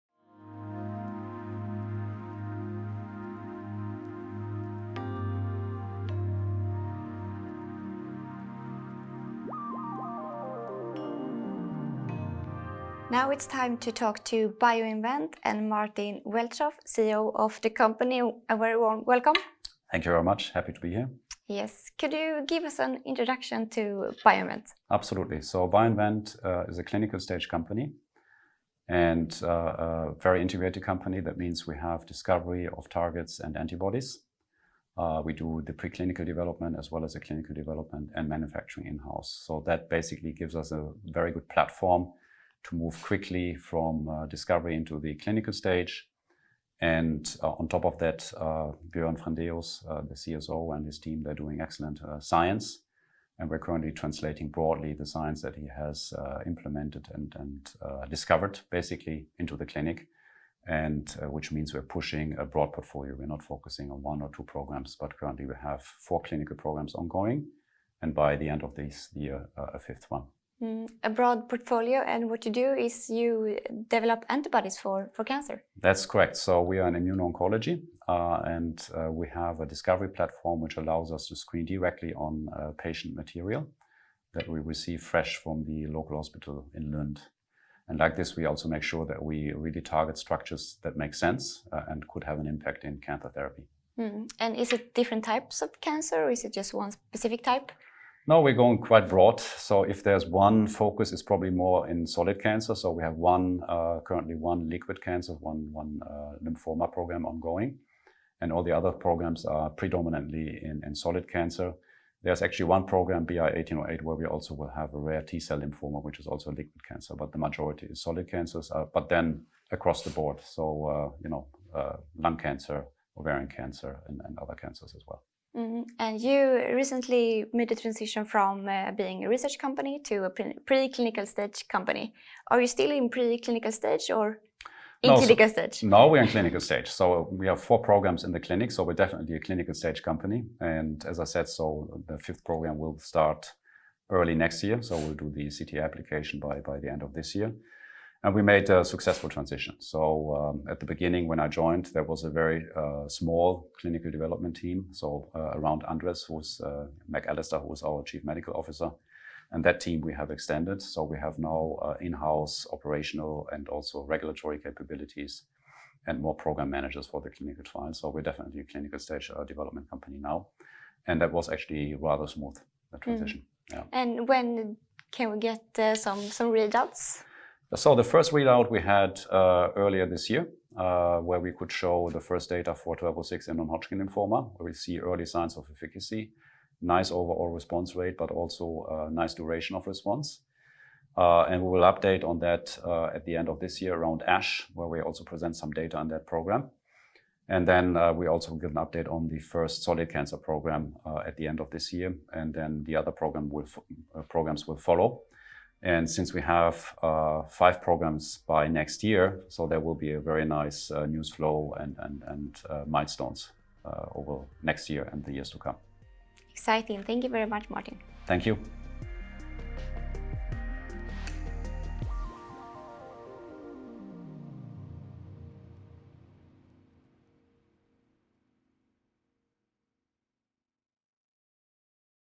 Now it's time to talk to BioInvent and Martin Welschof, CEO of the company. A very warm welcome. Thank you very much. Happy to be here. Yes. Could you give us an introduction to BioInvent? Absolutely. BioInvent is a clinical stage company and a very integrated company. That means we have discovery of targets and antibodies. We do the preclinical development as well as the clinical development and manufacturing in-house. That basically gives us a very good platform to move quickly from discovery into the clinical stage. On top of that, Björn Frendéus, the CSO, and his team, they're doing excellent science, and we're currently translating broadly the science that he has implemented and discovered basically into the clinic, which means we're pushing a broad portfolio. We're not focusing on one or two programs, but currently we have four clinical programs ongoing, and by the end of this year, a fifth one. A broad portfolio, what you do is you develop antibodies for cancer. That's correct. We are in immuno-oncology, and we have a discovery platform which allows us to screen directly on patient material that we receive fresh from the local hospital in Lund. Like this, we also make sure that we really target structures that make sense and could have an impact in cancer therapy. Is it different types of cancer, or is it just one specific type? We're going quite broad. If there's one focus, it's probably more in solid cancer. We have currently one liquid cancer, one lymphoma program ongoing, and all the other programs are predominantly in solid cancer. There's actually one program, BI-1808, where we also will have a rare T-cell lymphoma, which is also a liquid cancer, the majority is solid cancers. Across the board, lung cancer, ovarian cancer, and other cancers as well. You recently made the transition from being a research company to a preclinical stage company. Are you still in preclinical stage or in clinical stage? We're in clinical stage. We have four programs in the clinic, so we're definitely a clinical stage company. As I said, the 5th program will start early next year, so we'll do the CTA application by the end of this year. We made a successful transition. At the beginning when I joined, there was a very small clinical development team, around Andres McAllister, who was our Chief Medical Officer. That team we have extended, so we have now in-house operational and also regulatory capabilities and more program managers for the clinical trials. We're definitely a clinical stage development company now, and that was actually rather smooth, that transition. Yeah. When can we get some results? The first readout we had earlier this year, where we could show the first data for BI-1206 in non-Hodgkin's lymphoma, where we see early signs of efficacy, nice overall response rate, but also a nice duration of response. We will update on that at the end of this year around ASH, where we also present some data on that program. We also give an update on the first solid cancer program at the end of this year. The other programs will follow. Since we have five programs by next year, so there will be a very nice news flow and milestones over next year and the years to come. Exciting. Thank you very much, Martin. Thank you.